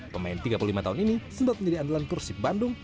pemain tiga puluh lima tahun ini sempat menjadi andalan persib bandung